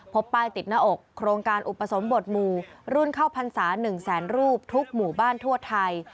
พบป้ายติดหน้าอกโครงการอุปสมบทหมู่รุ่นเข้าพรรษา๑แสนรูปทุกหมู่บ้านทั่วไทย